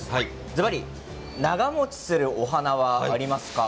ずばり、長もちするお花はありますか？